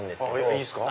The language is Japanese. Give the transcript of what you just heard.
いいっすか。